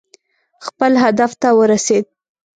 خپل هدف ته ورسېد.